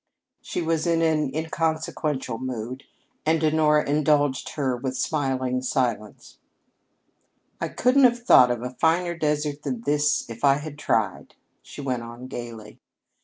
She was in an inconsequential mood, and Honora indulged her with smiling silence. "I couldn't have thought of a finer desert than this if I had tried," she went on gayly.